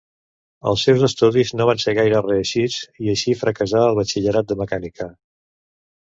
Els seus estudis no van ser gaire reeixits i així fracassà al batxillerat de mecànica.